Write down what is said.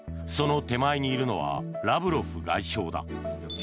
その手前にいるのはラブロフ外相だ。